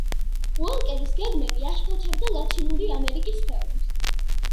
უოლკერის გეგმები აშფოთებდა ლათინური ამერიკის ქვეყნებს.